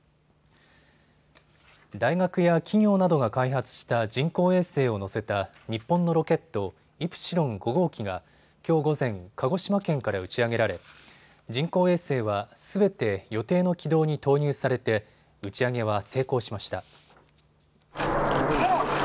大学や企業などが開発した人工衛星を載せた日本のロケット、イプシロン５号機がきょう午前、鹿児島県から打ち上げられ人工衛星はすべて予定の軌道に投入されて打ち上げは成功しました。